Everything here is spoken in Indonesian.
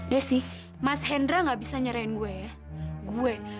des nih mas hendra nggak bisa nyerahin gua ya